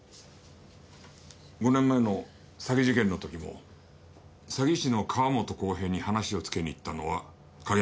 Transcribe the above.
５年前の詐欺事件の時も詐欺師の川本浩平に話をつけに行ったのは景山さんだ。